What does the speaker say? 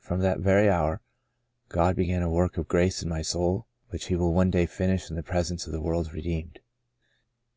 From that very hour God began a work of grace in my soul which He will one day finish in the presence of the world's redeemed.'